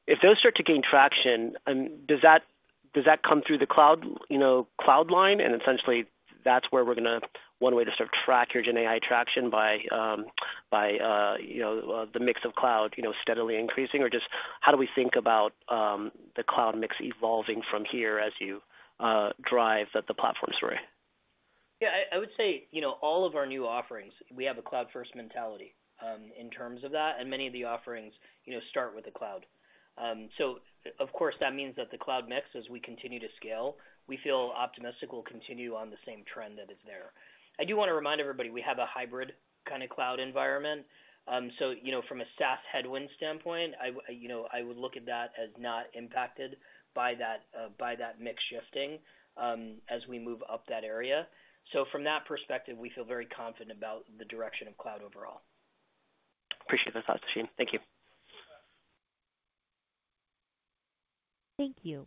if those start to gain traction, does that come through the cloud line? And essentially, that's where we're going to one way to start tracking your GenAI traction by the mix of cloud steadily increasing, or just how do we think about the cloud mix evolving from here as you drive the platform story? Yeah, I would say all of our new offerings, we have a cloud-first mentality in terms of that, and many of the offerings start with the cloud. So of course, that means that the cloud mix, as we continue to scale, we feel optimistic will continue on the same trend that is there. I do want to remind everybody; we have a hybrid kind of cloud environment. So, from a SaaS headwind standpoint, I would look at that as not impacted by that mix shifting as we move up that area. So, from that perspective, we feel very confident about the direction of cloud overall. Appreciate those thoughts, Ashim. Thank you. Thank you.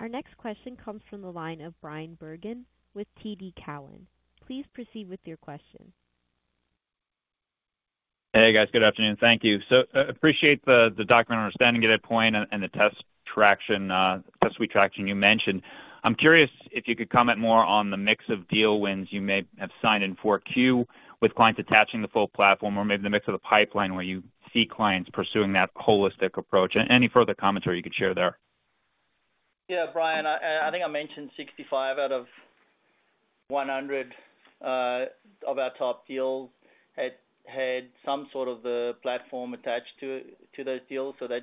Our next question comes from the line of Bryan Bergin with TD Cowen. Please proceed with your question. Hey, guys. Good afternoon. Thank you. So, I appreciate the Document Understanding at that point and the Test Suite traction you mentioned. I'm curious if you could comment more on the mix of deal wins you may have signed in fourth Q with clients attaching the full platform or maybe the mix of the pipeline where you see clients pursuing that holistic approach. Any further commentary you could share there? Yeah, Bryan, I think I mentioned 65 out of 100 of our top deals had some sort of the platform attached to those deals. So that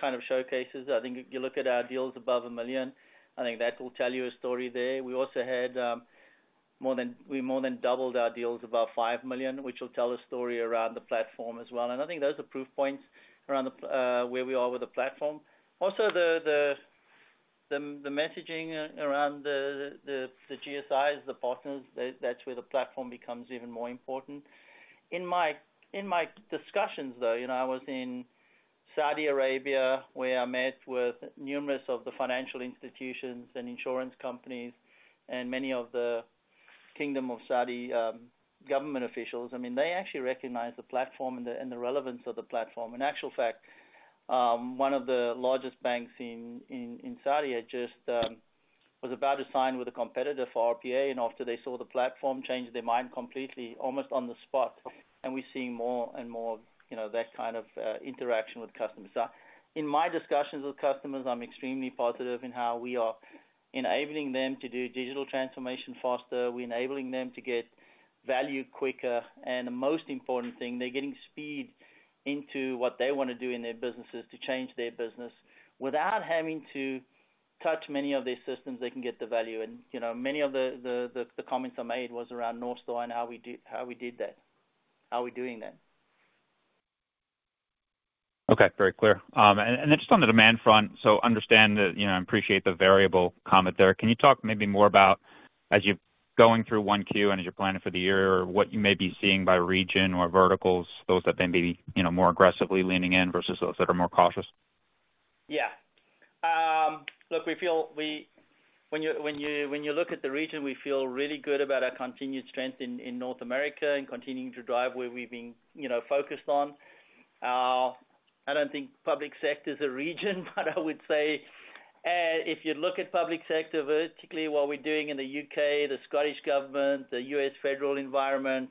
kind of showcases. I think if you look at our deals above $1 million, I think that will tell you a story there. We also had more than more than doubled our deals above $5 million, which will tell a story around the platform as well. And I think those are proof points around where we are with the platform. Also, the messaging around the GSIs, the partners, that's where the platform becomes even more important. In my discussions, though, I was in Saudi Arabia where I met with numerous of the financial institutions and insurance companies and many of the Kingdom of Saudi government officials. I mean, they actually recognized the platform and the relevance of the platform. In actual fact, one of the largest banks in Saudi just was about to sign with a competitor for RPA, and after they saw the platform, changed their mind completely almost on the spot. And we're seeing more and more of that kind of interaction with customers. So, in my discussions with customers, I'm extremely positive in how we are enabling them to do digital transformation faster. We're enabling them to get value quicker. The most important thing, they're getting speed into what they want to do in their businesses to change their business without having to touch many of their systems. They can get the value. Many of the comments I made was around North Star and how we did that, how we're doing that. Okay, very clear. Then just on the demand front, so understand that I appreciate the variable comment there. Can you talk maybe more about, as you're going through first quarter and as you're planning for the year, what you may be seeing by region or verticals, those that may be more aggressively leaning in versus those that are more cau tious? Yeah. Look, when you look at the region, we feel really good about our continued strength in North America and continuing to drive where we've been focused on. I don't think public sector is a region, but I would say if you look at public sector, particularly what we're doing in the U.K., the Scottish Government, the US federal environment,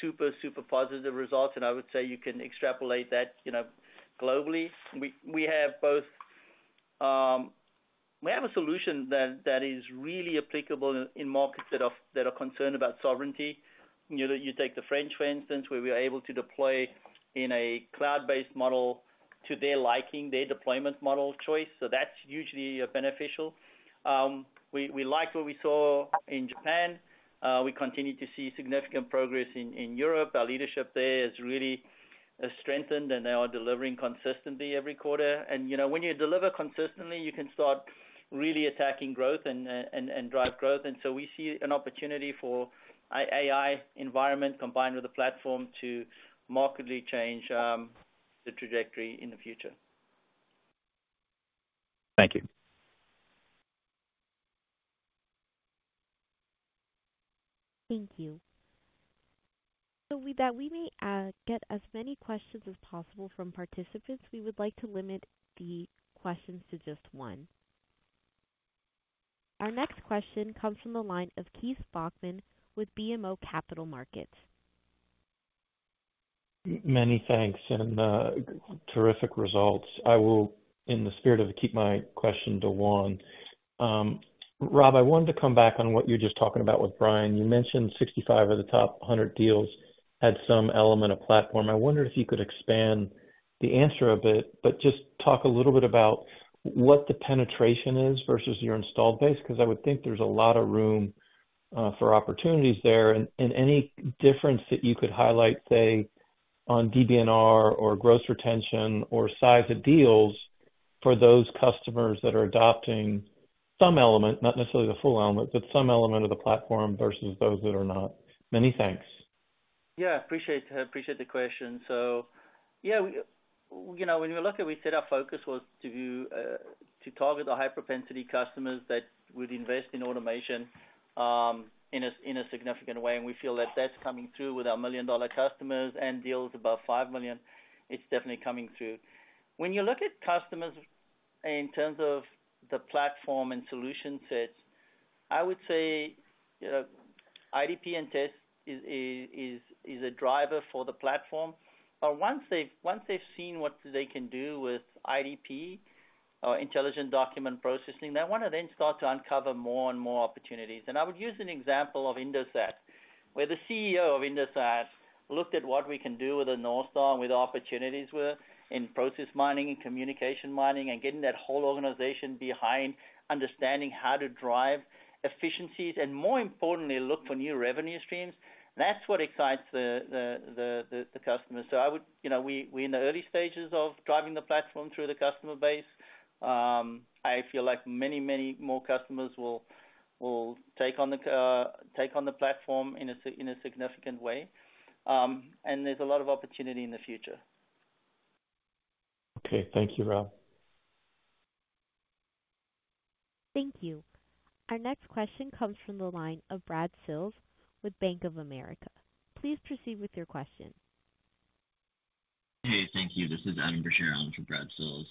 super, super positive results. And I would say you can extrapolate that globally. We have a solution that is really applicable in markets that are concerned about sovereignty. You take the French, for instance, where we were able to deploy in a cloud-based model to their liking, their deployment model choice. So that's usually beneficial. We liked what we saw in Japan. We continue to see significant progress in Europe. Our leadership there is really strengthened, and they are delivering consistently every quarter. And when you deliver consistently, you can start really attacking growth and drive growth. And so, we see an opportunity for AI environment combined with the platform to markedly change the trajectory in the future. Thank you. Thank you. So that we may get as many questions as possible from participants, we would like to limit the questions to just one. Our next question comes from the line of Keith Bachman with BMO Capital Markets. Many thanks and terrific results. I will, in the spirit of keeping my question to one. Rob, I wanted to come back on what you were just talking about with Brian. You mentioned 65 of the top 100 deals had some element of platform. I wondered if you could expand the answer a bit but just talk a little bit about what the penetration is versus your installed base because I would think there's a lot of room for opportunities there. Any difference that you could highlight, say, on DBNR or gross retention or size of deals for those customers that are adopting some element, not necessarily the full element, but some element of the platform versus those that are not? Many thanks. Yeah, appreciate the question. So yeah, when we look at it, we said our focus was to target the high-propensity customers that would invest in automation in a significant way. And we feel that that's coming through with our million-dollar customers and deals above $5 million. It's definitely coming through. When you look at customers in terms of the platform and solution sets, I would say IDP and test is a driver for the platform. But once they've seen what they can do with IDP, intelligent document processing, they want to then start to uncover more and more opportunities. And I would use an example of Indosat, where the CEO of Indosat looked at what we can do with the North Star and what the opportunities were in process mining and communications mining and getting that whole organization behind understanding how to drive efficiencies and, more importantly, look for new revenue streams. That's what excites the customers. So, we're in the early stages of driving the platform through the customer base. I feel like many, many more customers will take on the platform in a significant way. And there's a lot of opportunity in the future. Okay. Thank you, Rob. Thank you. Our next question comes from the line of Brad Sills with Bank of America. Please proceed with your question. Hey, thank you. This is Adam Bergere from Brad Sills.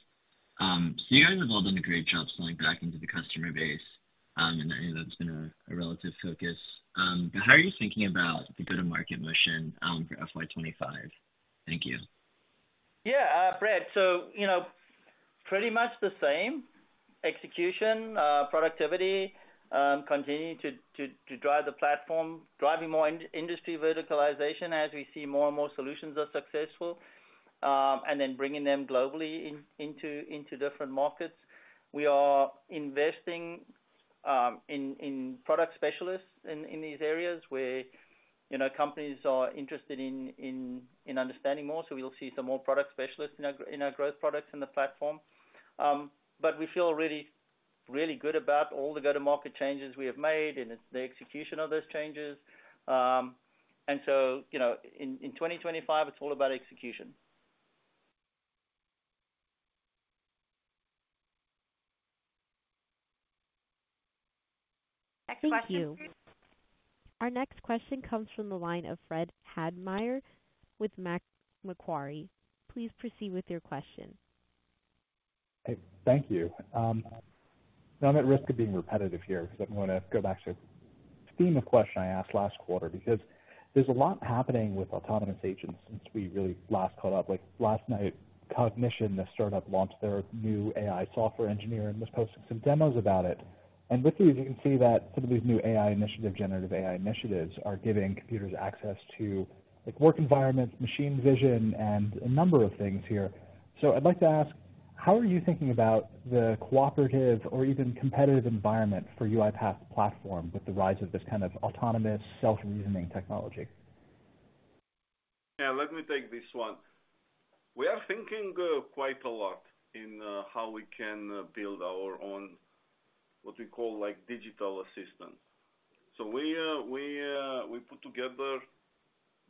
So, you guys have all done a great job selling back into the customer base, and that's been a relative focus. But how are you thinking about the go-to-market motion for FY25? Thank you. Yeah, Brad. So pretty much the same execution, productivity, continuing to drive the platform, driving more industry verticalization as we see more and more solutions are successful, and then bringing them globally into different markets. We are investing in product specialists in these areas where companies are interested in understanding more. So, we'll see some more product specialists in our growth products in the platform. But we feel really, really good about all the go-to-market changes we have made and the execution of those changes. And so, in 2025, it's all about execution. Thank you. Our next question comes from the line of Fred Havemeyer with Macquarie. Please proceed with your question. Hey, thank you. Now, I'm at risk of being repetitive here because I'm going to go back to the theme of the question, I asked last quarter because there's a lot happening with autonomous agents since we really last caught up. Last night, Cognition, the startup, launched their new AI software engineer and was posting some demos about it. And with these, you can see that some of these new AI initiatives, generative AI initiatives, are giving computers access to work environments, machine vision, and a number of things here. So, I'd like to ask, how are you thinking about the cooperative or even competitive environment for UiPath's platform with the rise of this kind of autonomous, self-reasoning technology? Yeah, let me take this one. We are thinking quite a lot in how we can build our own, what we call, digital assistant. So, we put together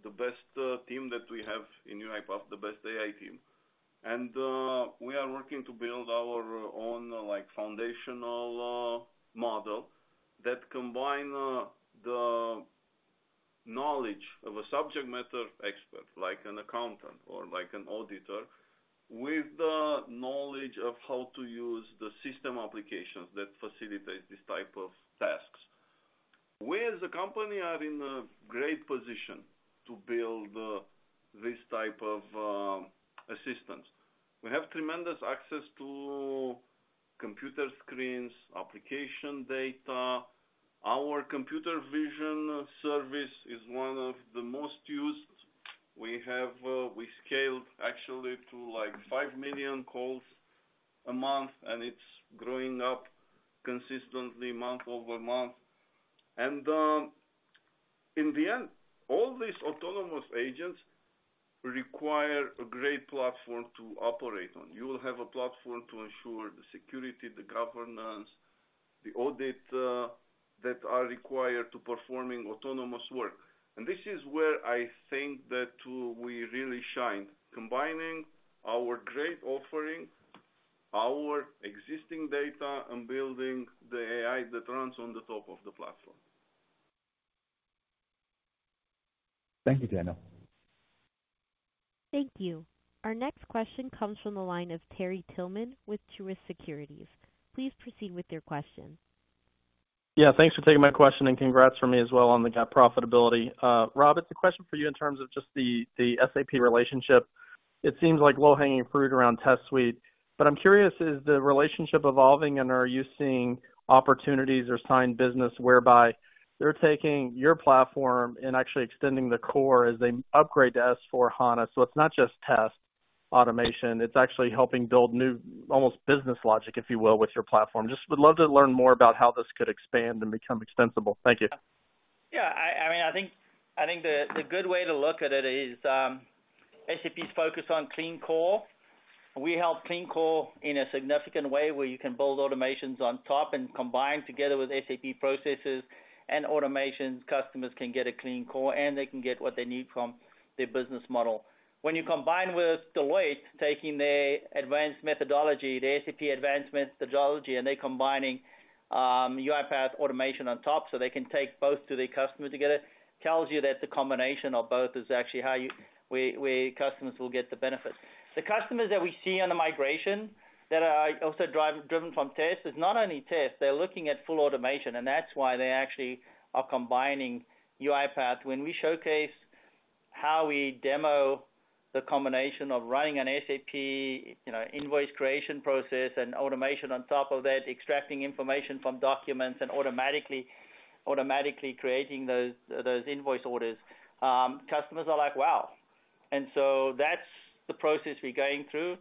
the best team that we have in UiPath, the best AI team. And we are working to build our own foundational model that combines the knowledge of a subject matter expert, like an accountant or like an auditor, with the knowledge of how to use the system applications that facilitate this type of tasks. We, as a company, are in a great position to build this type of assistance. We have tremendous access to computer screens, application data. Our computer vision service is one of the most used. We scaled, actually, to 5 million calls a month, and it's growing up consistently month-over-month. And in the end, all these autonomous agents require a great platform to operate on. You will have a platform to ensure the security, the governance, the audit that are required to perform autonomous work. This is where I think that we really shine, combining our great offering, our existing data, and building the AI that runs on the top of the platform. Thank you, Daniel. Thank you. Our next question comes from the line of Terry Tillman with Truist Securities. Please proceed with your question. Yeah, thanks for taking my question, and congrats from me as well on the profitability. Rob, it's a question for you in terms of just the SAP relationship. It seems like low-hanging fruit around Test Suite. But I'm curious, is the relationship evolving, and are you seeing opportunities or signed business whereby they're taking your platform and actually extending the core as they upgrade to S/4HANA? So, it's not just test automation. It's actually helping build new, almost business logic, if you will, with your platform. Just would love to learn more about how this could expand and become extensible. Thank you. Yeah. I mean, I think the good way to look at it is SAP's focus on clean core. We help clean core in a significant way where you can build automations on top and combine together with SAP processes and automations. Customers can get a clean core, and they can get what they need from their business model. When you combine with Deloitte taking their advanced methodology, the SAP advanced methodology, and they're combining UiPath automation on top so they can take both to their customer together, it tells you that the combination of both is actually how customers will get the benefits. The customers that we see on the migration that are also driven from test is not only test. They're looking at full automation, and that's why they actually are combining UiPath. When we showcase how we demo the combination of running an SAP invoice creation process and automation on top of that, extracting information from documents and automatically creating those invoice orders, customers are like, "Wow." And so that's the process we're going through.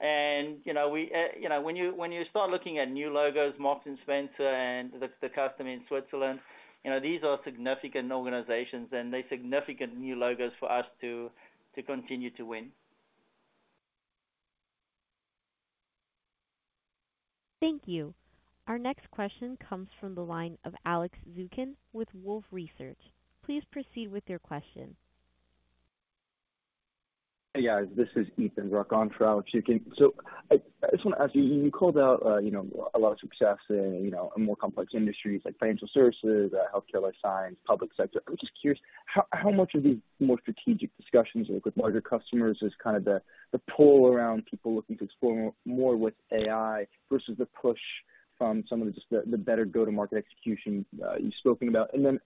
And when you start looking at new logos, Marks & Spencer and the customer in Switzerland, these are significant organizations, and they're significant new logos for us to continue to win. Thank you. Our next question comes from the line of Alex Zukin with Wolfe Research. Please proceed with your question. Hey, guys. This is Ethan Roccontra with Zukin. So, I just want to ask you, you called out a lot of success in more complex industries like financial services, healthcare, life sciences, public sector. I'm just curious, how much of these more strategic discussions with larger customers is kind of the pull around people looking to explore more with AI versus the push from some of the just the better go-to-market execution you've spoken about? And then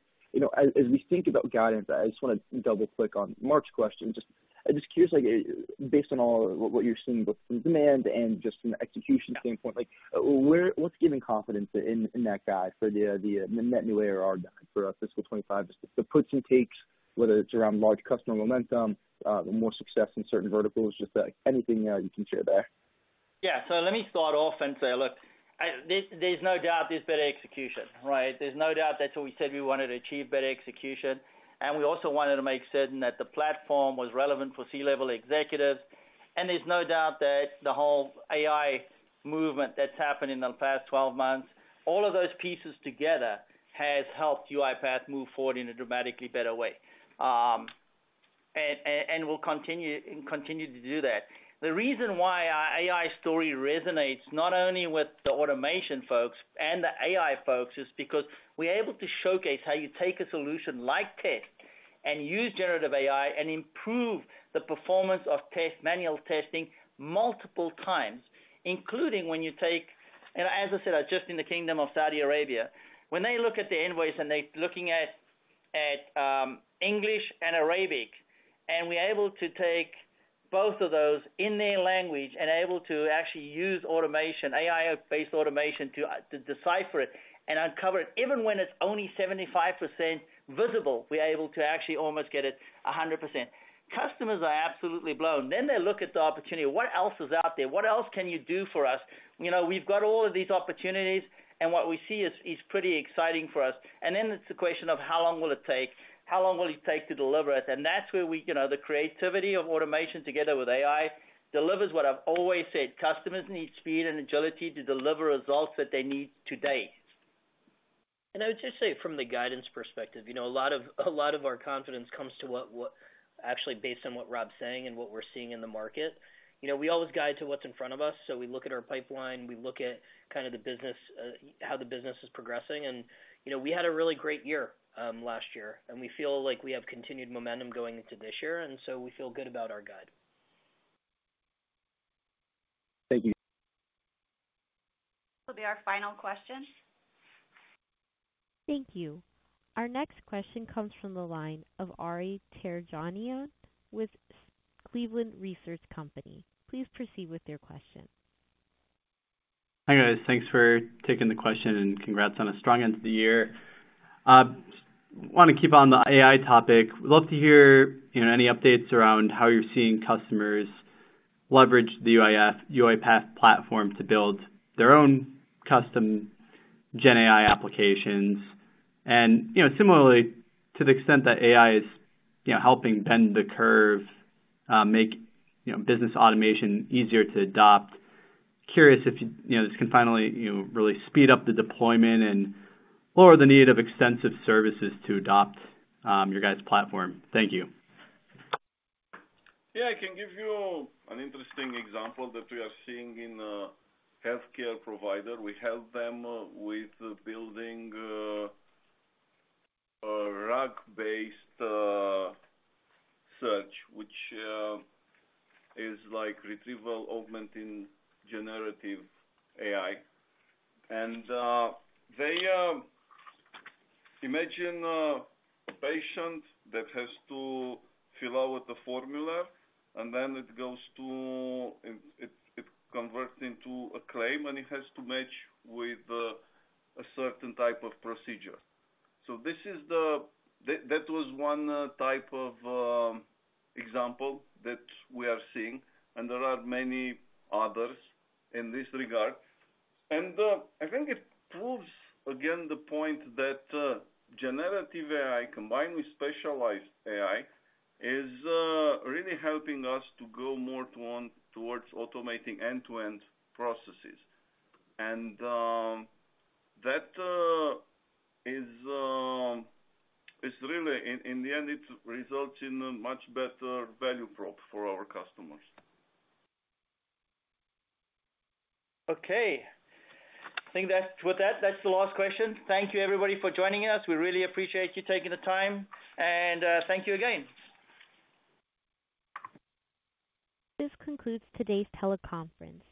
as we think about guidance, I just want to double-click on Mark's question. I'm just curious, based on all what you're seeing both from demand and just from the execution standpoint, what's giving confidence in that guide for the net new ARR guide for fiscal 2025, just the puts and takes, whether it's around large customer momentum, more success in certain verticals? Just anything you can share there. Yeah. So, let me start off and say, look, there's no doubt there's better execution, right? There's no doubt that's what we said we wanted to achieve, better execution. We also wanted to make certain that the platform was relevant for C-level executives. There's no doubt that the whole AI movement that's happened in the past 12 months, all of those pieces together has helped UiPath move forward in a dramatically better way and will continue to do that. The reason why our AI story resonates not only with the automation folks and the AI folks is because we're able to showcase how you take a solution like test and use generative AI and improve the performance of manual testing multiple times, including, as I said, just in the Kingdom of Saudi Arabia, when they look at the invoice and they're looking at English and Arabic, and we're able to take both of those in their language and able to actually use automation, AI-based automation, to decipher it and uncover it. Even when it's only 75% visible, we're able to actually almost get it 100%. Customers are absolutely blown. Then they look at the opportunity. What else is out there? What else can you do for us? We've got all of these opportunities, and what we see is pretty exciting for us. And then it's the question of how long will it take? How long will it take to deliver it? And that's where the creativity of automation together with AI delivers what I've always said. Customers need speed and agility to deliver results that they need today. And I would just say from the guidance perspective, a lot of our confidence comes actually based on what Rob's saying and what we're seeing in the market. We always guide to what's in front of us. So, we look at our pipeline. We look at kind of how the business is progressing. We had a really great year last year, and we feel like we have continued momentum going into this year. So, we feel good about our guide. Thank you. That'll be our final question... Thank you. Our next question comes from the line of Ari Terjanian with Cleveland Research Company. Please proceed with your question. Hi, guys. Thanks for taking the question, and congrats on a strong end to the year. I want to keep on the AI topic. We'd love to hear any updates around how you're seeing customers leverage the UiPath platform to build their own custom GenAI applications. And similarly, to the extent that AI is helping bend the curve, make business automation easier to adopt, curious if this can finally really speed up the deployment and lower the need of extensive services to adopt your guys' platform. Thank you. Yeah, I can give you an interesting example that we are seeing in a healthcare provider. We help them with building a RAG-based search, which is retrieval augmenting generative AI. And imagine a patient that has to fill out a formulary, and then it goes to it converts into a claim, and it has to match with a certain type of procedure. So that was one type of example that we are seeing. And there are many others in this regard. And I think it proves, again, the point that generative AI combined with specialized AI is really helping us to go more towards automating end-to-end processes. And that is really in the end, it results in a much better value prop for our customers. Okay. I think with that, that's the last question. Thank you, everybody, for joining us. We really appreciate you taking the time. And thank you again. This concludes today's teleconference.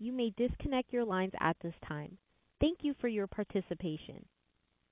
You may disconnect your lines at this time. Thank you for your participation.